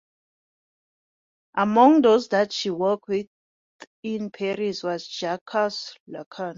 Among those that she worked with in Paris was Jacques Lacan.